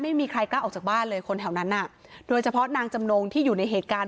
ไม่มีใครกล้าออกจากบ้านเลยคนแถวนั้นอ่ะโดยเฉพาะนางจำนงที่อยู่ในเหตุการณ์